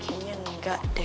kayanya enggak deh